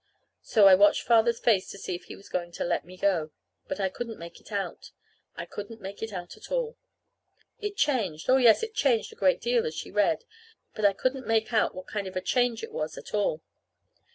So I watched Father's face to see if he was going to let me go. But I couldn't make out. I couldn't make out at all. It changed oh, yes, it changed a great deal as she read; but I couldn't make out what kind of a change it was at all.